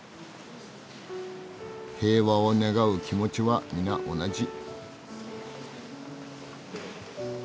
平和を願う気持ちは皆同じ。